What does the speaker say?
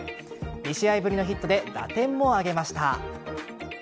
２試合ぶりのヒットで打点も挙げました。